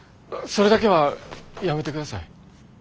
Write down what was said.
それだけはやめてください。